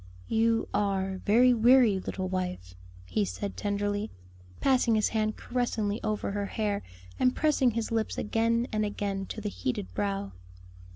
"You are very weary, little wife," he said tenderly, passing his hand caressingly over her hair and pressing his lips again and again to the heated brow.